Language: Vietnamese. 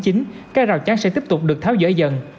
các rào trắng chốt sẽ tiếp tục được tháo dỡ dịch